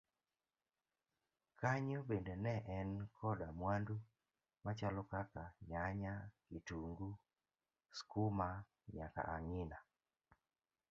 kanyo bende ne en koda mwandu machalo kaka nyanya, kitungu, skuma nyaka ang'ina.